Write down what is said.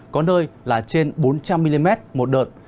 có nơi là trên bốn trăm linh mm một đợt